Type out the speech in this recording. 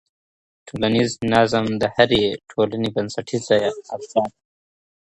ټولنیز نظم د هرې ټولنې بنسټیزه اړتیا ده.